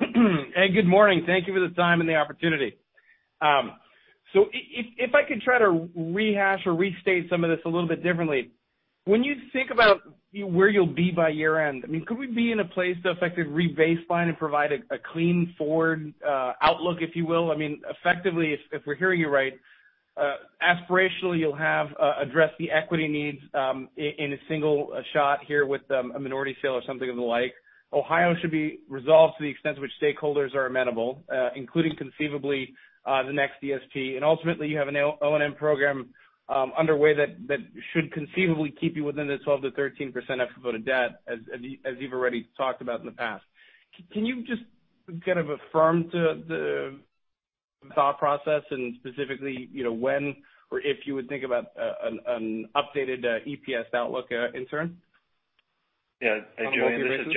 Good morning. Thank you for the time and the opportunity. If I could try to rehash or restate some of this a little bit differently, when you think about where you'll be by year-end, could we be in a place to effectively re-baseline and provide a clean forward outlook, if you will? Effectively, if we're hearing you right, aspirationally you'll address the equity needs in a single shot here with a minority sale or something of the like. Ohio should be resolved to the extent to which stakeholders are amenable, including conceivably the next ESP. Ultimately, you have an O&M program underway that should conceivably keep you within the 12%-13% FFO to debt, as you've already talked about in the past. Can you just kind of affirm to the thought process and specifically when or if you would think about an updated EPS outlook in turn? Yeah. Hey, Julien, this is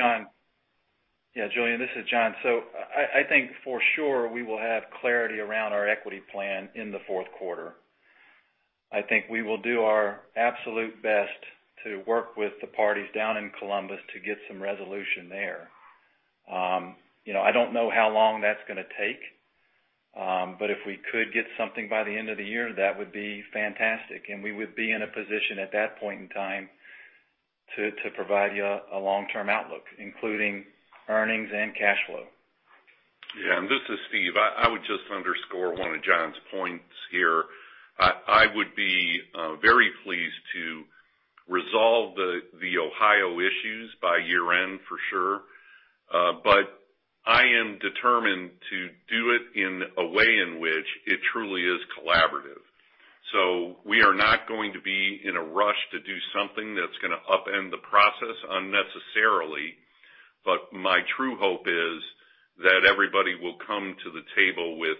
Jon. I think for sure we will have clarity around our equity plan in the fourth quarter. I think we will do our absolute best to work with the parties down in Columbus to get some resolution there. I don't know how long that's going to take. If we could get something by the end of the year, that would be fantastic, and we would be in a position at that point in time to provide you a long-term outlook, including earnings and cash flow. Yeah. This is Steven. I would just underscore one of Jon's points here. I would be very pleased to resolve the Ohio issues by year-end, for sure. I am determined to do it in a way in which it truly is collaborative. We are not going to be in a rush to do something that's going to upend the process unnecessarily. My true hope is that everybody will come to the table with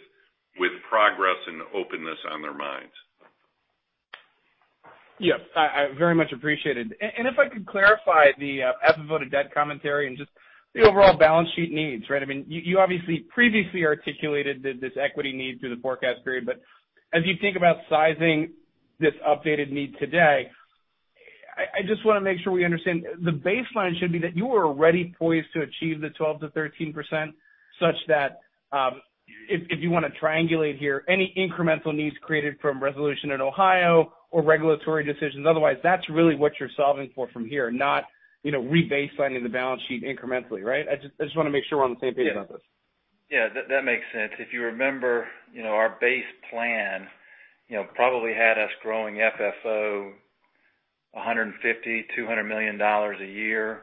progress and openness on their minds. Yes. Very much appreciated. If I could clarify the FFO to debt commentary and just the overall balance sheet needs. You obviously previously articulated this equity need through the forecast period. As you think about sizing this updated need today, I just want to make sure we understand. The baseline should be that you are already poised to achieve the 12%-13%, such that, if you want to triangulate here, any incremental needs created from resolution in Ohio or regulatory decisions otherwise, that's really what you're solving for from here, not re-baselining the balance sheet incrementally. Right? I just want to make sure we're on the same page about this. Yeah, that makes sense. If you remember, our base plan probably had us growing FFO $150 million, $200 million a year.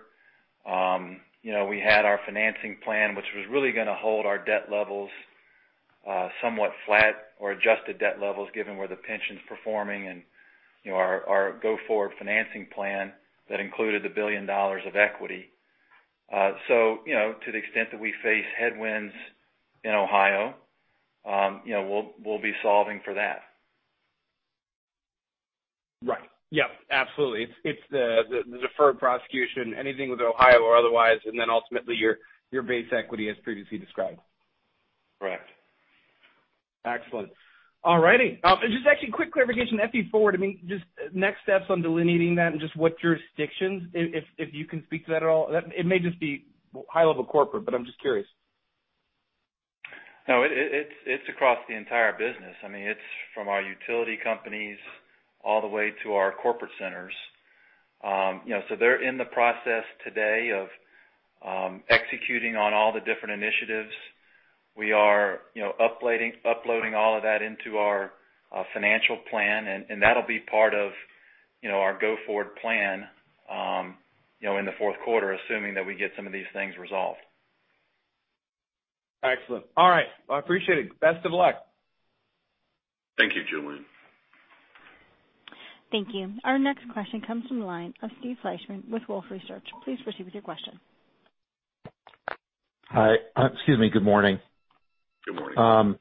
We had our financing plan, which was really going to hold our debt levels somewhat flat or adjusted debt levels, given where the pension's performing and our go-forward financing plan that included the $1 billion of equity. To the extent that we face headwinds in Ohio, we'll be solving for that. Right. Yeah, absolutely. It's the deferred prosecution, anything with Ohio or otherwise, and then ultimately your base equity as previously described. Correct. Excellent. All righty. Just actually, quick clarification, FE Forward, just next steps on delineating that and just what jurisdictions, if you can speak to that at all? It may just be high-level corporate, but I'm just curious. No, it's across the entire business. It's from our utility companies all the way to our corporate centers. They're in the process today of executing on all the different initiatives. We are uploading all of that into our financial plan, and that'll be part of our go-forward plan in the fourth quarter, assuming that we get some of these things resolved. Excellent. All right. Well, I appreciate it. Best of luck. Thank you, Julien. Thank you. Our next question comes from the line of Steve Fleishman with Wolfe Research. Please proceed with your question. Hi. Excuse me. Good morning. Good morning.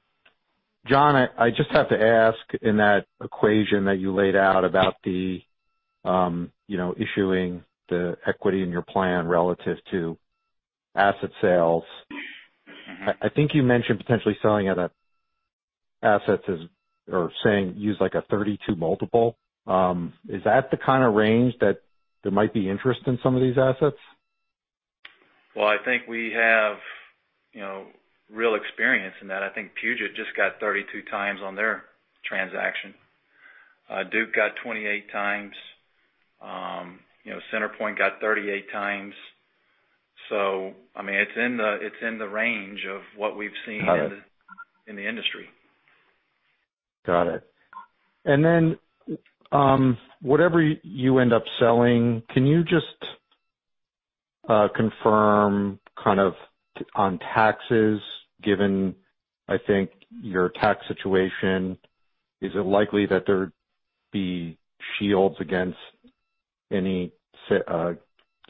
Jon, I just have to ask, in that equation that you laid out about the issuing the equity in your plan relative to asset sales? I think you mentioned potentially selling assets or saying use a 32x. Is that the kind of range that there might be interest in some of these assets? Well, I think we have real experience in that. I think Puget just got 32x on their transaction. Duke got 28x. CenterPoint got 38x. It's in the range of what we've seen in the industry. Got it. Whatever you end up selling, can you just confirm on taxes, given, I think, your tax situation, is it likely that there be shields against any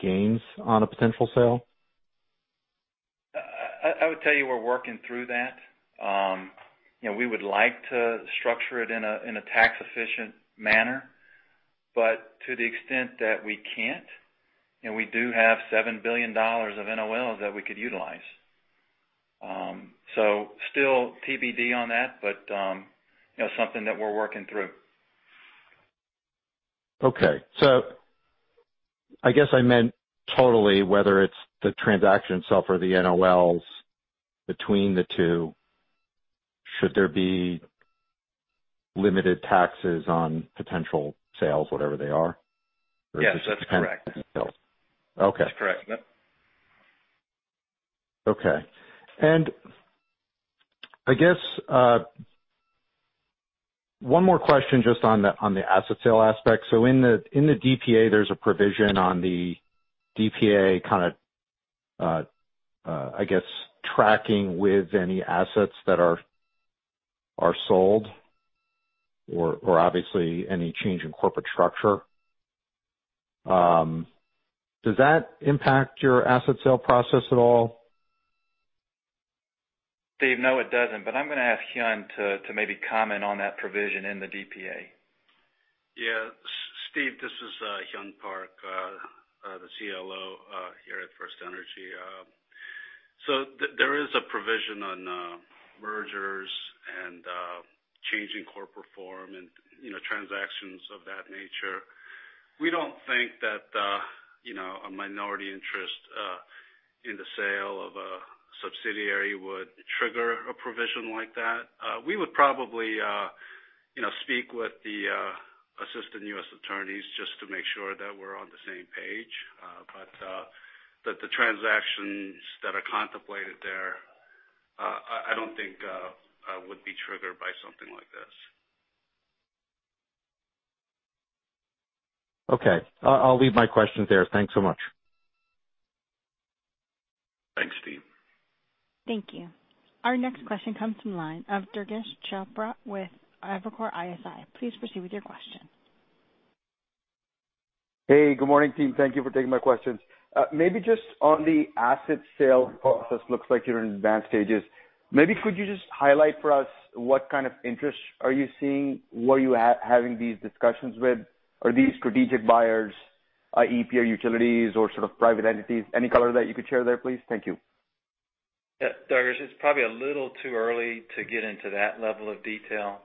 gains on a potential sale? I would tell you we're working through that. We would like to structure it in a tax-efficient manner. To the extent that we can't, we do have $7 billion of NOLs that we could utilize. Still TBD on that, but something that we're working through. Okay. I guess I meant totally, whether it's the transaction itself or the NOLs between the two. Should there be limited taxes on potential sales, whatever they are? Yes, that's correct. Okay. That's correct. Yep. Okay. I guess one more question just on the asset sale aspect. In the DPA, there's a provision on the DPA kind of, I guess, tracking with any assets that are sold or obviously any change in corporate structure. Does that impact your asset sale process at all? Steve, no, it doesn't. I'm going to ask Hyun to maybe comment on that provision in the DPA. Yeah. Steve, this is Hyun Park, the CLO here at FirstEnergy. There is a provision on mergers and changing corporate form and transactions of that nature. We don't think that a minority interest in the sale of a subsidiary would trigger a provision like that. We would probably speak with the assistant U.S. attorneys just to make sure that we're on the same page. The transactions that are contemplated there, I don't think would be triggered by something like this. Okay. I'll leave my questions there. Thanks so much. Thanks, Steve. Thank you. Our next question comes from the line of Durgesh Chopra with Evercore ISI. Please proceed with your question. Hey, good morning, team. Thank you for taking my questions. Just on the asset sale process. Looks like you're in advanced stages. Could you just highlight for us what kind of interest are you seeing? Who are you having these discussions with? Are these strategic buyers, IOU utilities or sort of private entities? Any color that you could share there, please? Thank you. Durgesh, it's probably a little too early to get into that level of detail.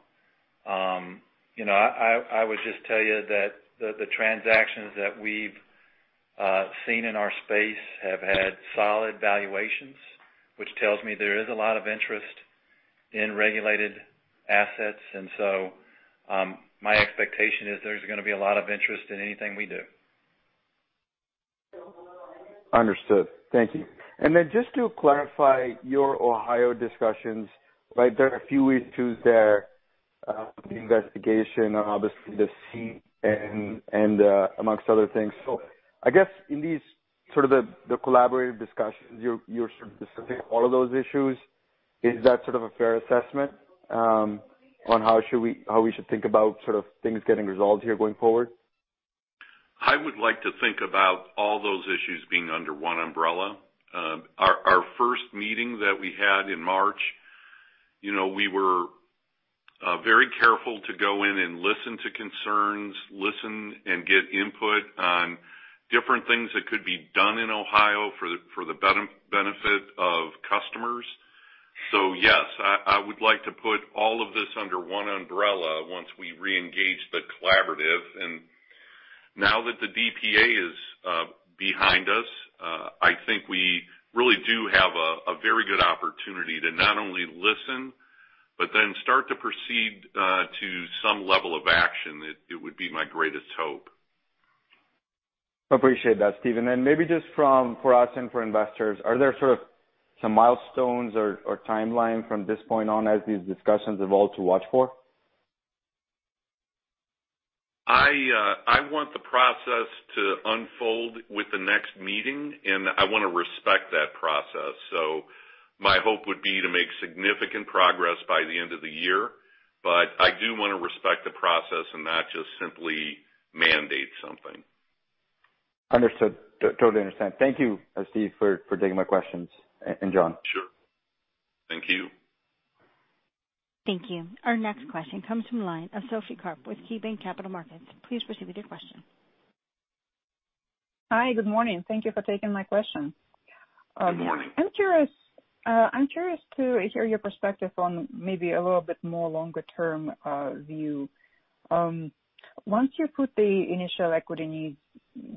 I would just tell you that the transactions that we've seen in our space have had solid valuations, which tells me there is a lot of interest in regulated assets. My expectation is there's going to be a lot of interest in anything we do. Understood. Thank you. Just to clarify your Ohio discussions, there are a few issues there, the investigation, obviously the SEC and amongst other things. I guess in these sort of the collaborative discussions, you're sort of discussing all of those issues. Is that sort of a fair assessment on how we should think about sort of things getting resolved here going forward? I would like to think about all those issues being under one umbrella. Our first meeting that we had in March, we were very careful to go in and listen to concerns, listen and get input on different things that could be done in Ohio for the benefit of customers. Yes, I would like to put all of this under one umbrella once we reengage the collaborative. Now that the DPA is behind us, I think we really do have a very good opportunity to not only listen but then start to proceed to some level of action. It would be my greatest hope. Appreciate that, Steve. Then maybe just for us and for investors, are there sort of some milestones or timeline from this point on as these discussions evolve to watch for? I want the process to unfold with the next meeting, and I want to respect that process. My hope would be to make significant progress by the end of the year. I do want to respect the process and not just simply mandate something. Understood. Totally understand. Thank you, Steve, for taking my questions, and Jon. Sure. Thank you. Thank you. Our next question comes from the line of Sophie Karp with KeyBanc Capital Markets. Please proceed with your question. Hi. Good morning. Thank you for taking my question. Good morning. I'm curious to hear your perspective on maybe a little bit more longer-term view. Once you put the initial equity needs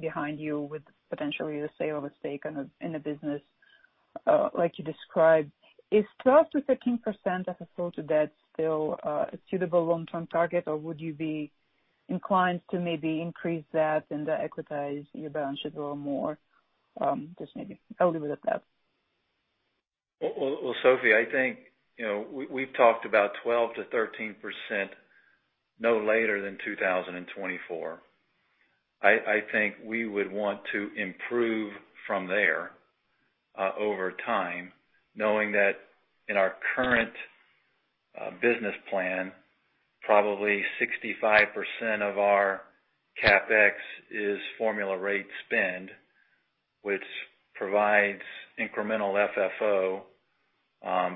behind you with potentially the sale of a stake in the business like you described, is 12%-13% as a FFO to debt still a suitable long-term target, or would you be inclined to maybe increase that and equitize your balance sheet a little more? Just maybe a little bit of that. Sophie, I think we've talked about 12%-13% no later than 2024. I think we would want to improve from there over time, knowing that in our current business plan, probably 65% of our CapEx is formula rate spend, which provides incremental FFO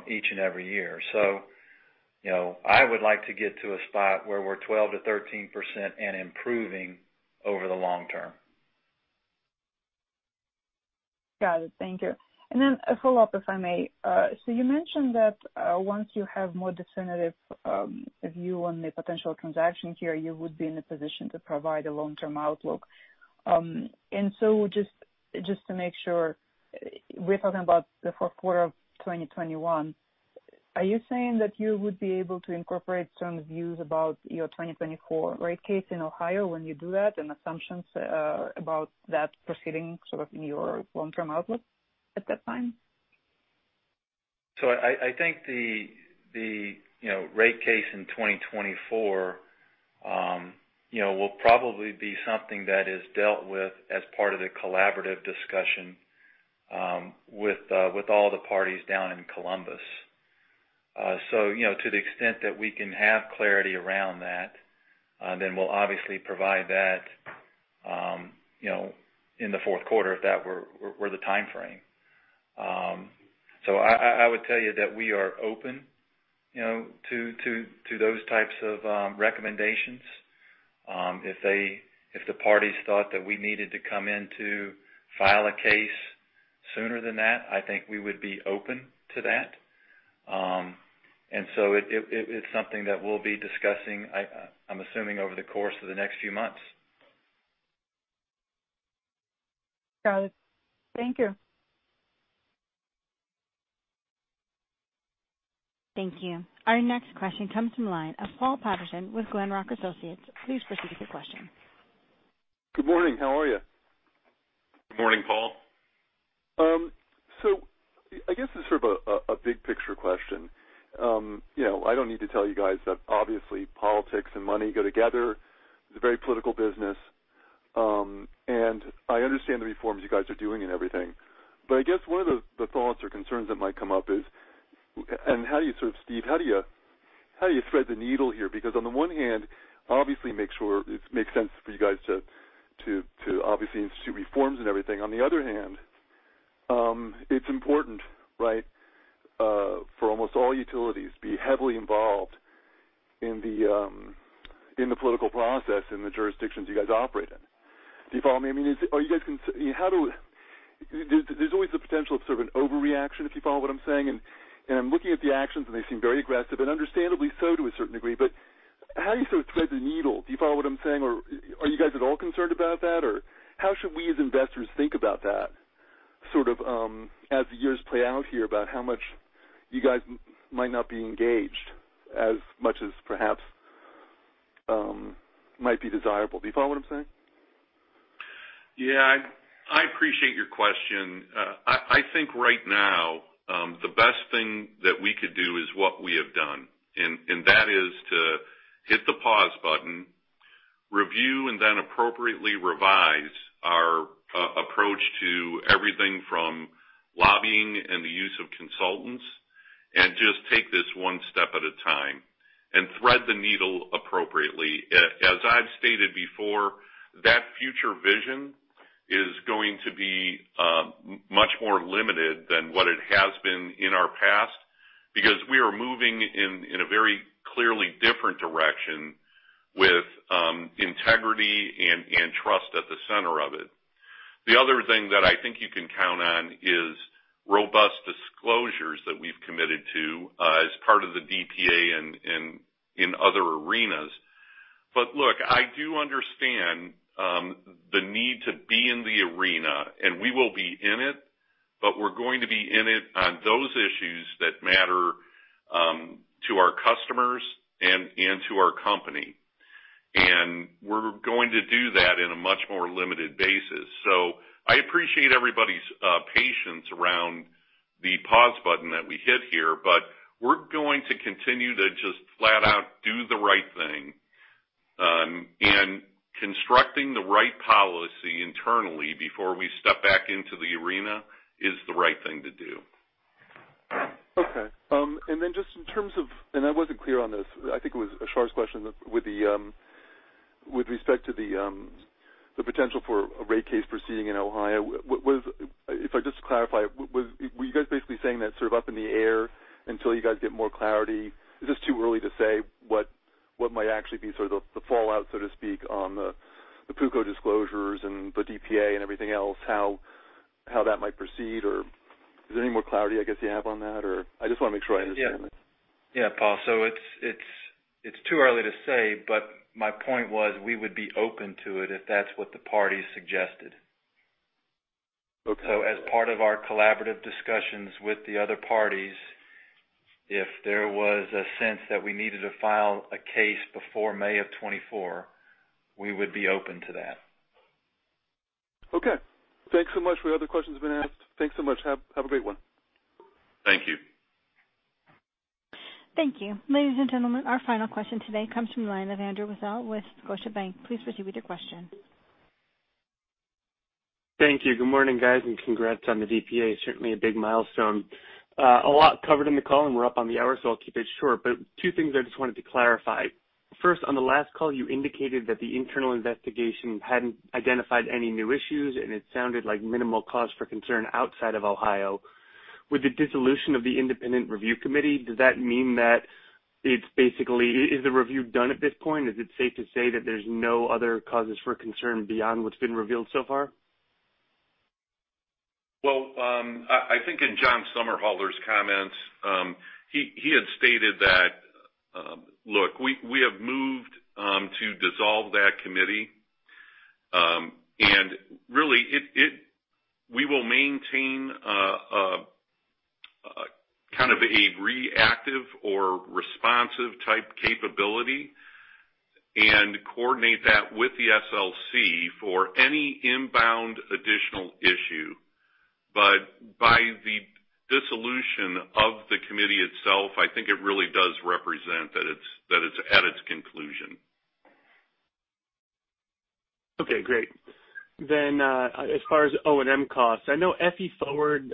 each and every year. I would like to get to a spot where we're 12%-13% and improving over the long term. Got it. Thank you. A follow-up, if I may. You mentioned that once you have more definitive view on the potential transaction here, you would be in a position to provide a long-term outlook. Just to make sure, we're talking about the fourth quarter of 2021. Are you saying that you would be able to incorporate some views about your 2024 rate case in Ohio when you do that, and assumptions about that proceeding sort of in your long-term outlook at that time? I think the rate case in 2024 will probably be something that is dealt with as part of the collaborative discussion with all the parties down in Columbus. To the extent that we can have clarity around that, then we'll obviously provide that in the fourth quarter if that were the timeframe. I would tell you that we are open to those types of recommendations. If the parties thought that we needed to come in to file a case sooner than that, I think we would be open to that. It's something that we'll be discussing, I'm assuming, over the course of the next few months. Got it. Thank you. Thank you. Our next question comes from the line of Paul Patterson with Glenrock Associates. Please proceed with your question. Good morning. How are you? Good morning, Paul. I guess this is sort of a big-picture question. I don't need to tell you guys that obviously politics and money go together. It's a very political business. I understand the reforms you guys are doing and everything. I guess one of the thoughts or concerns that might come up is, and how you sort of, Steve, how do you thread the needle here? On the one hand, obviously it makes sense for you guys to obviously institute reforms and everything. On the other hand, it's important, right, for almost all utilities to be heavily involved in the political process in the jurisdiction's you guys operate in. Do you follow me? I mean, there's always the potential of sort of an overreaction, if you follow what I'm saying. I'm looking at the actions, and they seem very aggressive, and understandably so to a certain degree. How do you sort of thread the needle? Do you follow what I'm saying, or are you guys at all concerned about that? How should we as investors think about that sort of as the years play out here about how much you guys might not be engaged as much as perhaps might be desirable? Do you follow what I'm saying? I appreciate your question. I think right now, the best thing that we could do is what we have done. That is to hit the pause button, review, and then appropriately revise our approach to everything from lobbying and the use of consultants and just take this one step at a time and thread the needle appropriately. As I've stated before that future vision is going to be much more limited than what it has been in our past because we are moving in a very clearly different direction with integrity and trust at the center of it. The other thing that I think you can count on is robust disclosures that we've committed to as part of the DPA and in other arenas. Look, I do understand the need to be in the arena, and we will be in it, but we're going to be in it on those issues that matter to our customers and to our company. We're going to do that in a much more limited basis. I appreciate everybody's patience around the pause button that we hit here, but we're going to continue to just flat out do the right thing. Constructing the right policy internally before we step back into the arena is the right thing to do. Okay. Just in terms of, and I wasn't clear on this, I think it was Shah's question with respect to the potential for a rate case proceeding in Ohio. If I could just clarify, were you guys basically saying that's sort of up in the air until you guys get more clarity? Is this too early to say what might actually be sort of the fallout, so to speak, on the PUCO disclosures and the DPA and everything else, how that might proceed, or is there any more clarity I guess you have on that, or I just want to make sure I understand this. Yeah, Paul, it's too early to say, but my point was we would be open to it if that's what the parties suggested. Okay. As part of our collaborative discussions with the other parties, if there was a sense that we needed to file a case before May of 2024, we would be open to that. Okay. Thanks so much for all the questions that have been asked. Thanks so much. Have a great one. Thank you. Thank you. Ladies and gentlemen, our final question today comes from the line of Andrew Weisel with Scotiabank. Please proceed with your question. Thank you. Good morning, guys. Congrats on the DPA. Certainly, a big milestone. A lot covered in the call. We're up on the hour. I'll keep it short. Two things I just wanted to clarify. First, on the last call, you indicated that the internal investigation hadn't identified any new issues. It sounded like minimal cause for concern outside of Ohio. With the dissolution of the independent review committee, does that mean that it's basically, is the review done at this point? Is it safe to say that there's no other causes for concern beyond what's been revealed so far? Well, I think in John's comments, he had stated that, look, we have moved to dissolve that committee. Really, we will maintain a kind of a reactive or responsive type capability and coordinate that with the SLC for any inbound additional issue. By the dissolution of the committee itself, I think it really does represent that it's at its conclusion. Okay, great. As far as O&M costs, I know FE Forward,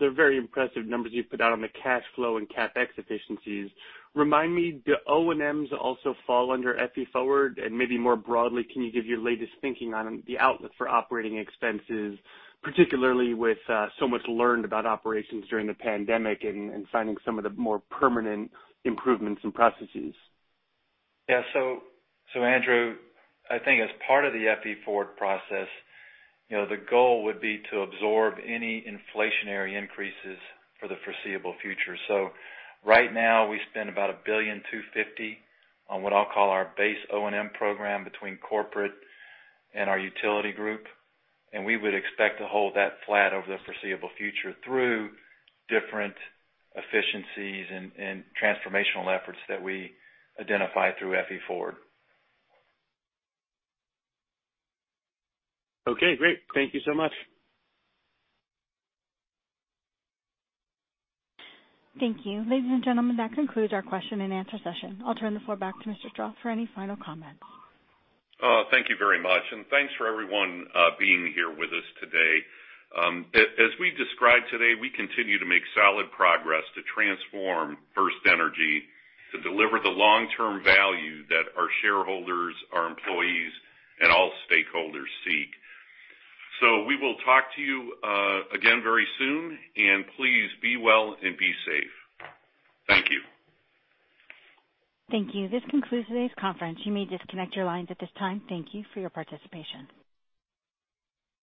they're very impressive numbers you've put out on the cash flow and CapEx efficiencies. Remind me, do O&Ms also fall under FE Forward? Maybe more broadly, can you give your latest thinking on the outlook for operating expenses, particularly with so much learned about operations during the pandemic and signing some of the more permanent improvements and processes? Yeah. Andrew, I think as part of the FE Forward process, the goal would be to absorb any inflationary increases for the foreseeable future. Right now, we spend about $1.25 billion on what I'll call our base O&M program between corporate and our utility group, and we would expect to hold that flat over the foreseeable future through different efficiencies and transformational efforts that we identify through FE Forward. Okay, great. Thank you so much. Thank you. Ladies and gentlemen, that concludes our question-and-answer session. I'll turn the floor back to Mr. Strah for any final comments. Thank you very much, and thanks for everyone being here with us today. As we described today, we continue to make solid progress to transform FirstEnergy to deliver the long-term value that our shareholders, our employees, and all stakeholders seek. We will talk to you again very soon, and please be well and be safe. Thank you. Thank you. This concludes today's conference. You may disconnect your lines at this time. Thank you for your participation.